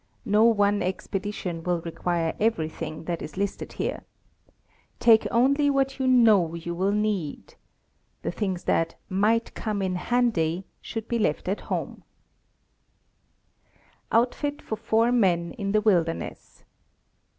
No one expedition will require every thing that is listed here. Take only what you know you will need. The things that "might come in handy" should be left at home: OUTFIT FOR FOUR MEN IN THE WILDERNESS.